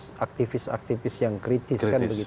memberangus aktivis aktivis yang kritis